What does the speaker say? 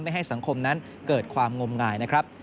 ไม่ให้สังคมนั้นเกิดความงมงายนะครับ